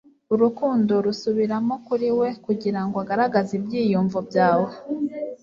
Urukundo rusubiramo kuri we kugirango agaragaze ibyiyumvo byawe